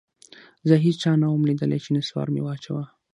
زه هېچا نه وم ليدلى چې نسوار مې واچاوه.